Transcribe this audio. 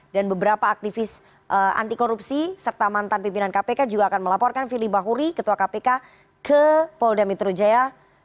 dan beberapa aktivis anti korupsi serta mantan pimpinan kpk juga akan melaporkan firly bahuri ketua kpk ke polda mitrojaya